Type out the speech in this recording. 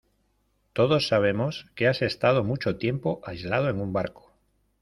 todos sabemos que has estado mucho tiempo aislado en un barco.